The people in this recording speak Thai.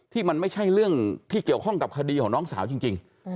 ที่มันไม่ใช่เรื่องที่เกี่ยวข้องกับคดีของน้องสาวจริง